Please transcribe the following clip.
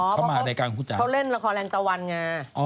อ๋อเพราะเขาเล่นละครแหลงตะวันไง